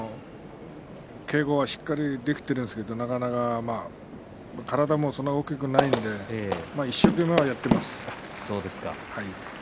稽古は、しっかりできているんですけど、なかなか体もそんなに大きくないので一生懸命はやっています。